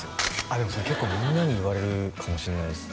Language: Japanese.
あっでもそれ結構みんなに言われるかもしんないです